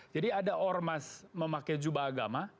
jadi ada ormas memakai jubah agama